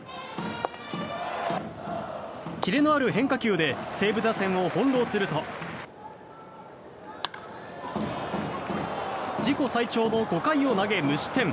キレのある変化球で西武打線をほんろうすると自己最長の５回を投げ無失点。